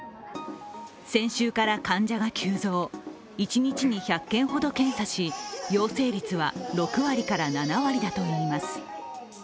先週から患者が急増、一日に１００件ほど検査し、陽性率は６割から７割だといいます。